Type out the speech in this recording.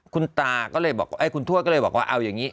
คุณตาก็เลยบอกคุณทวดก็เลยบอกว่าเอาอย่างนี้